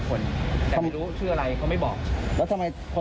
ก็ต้องจัดหาอัพเทิม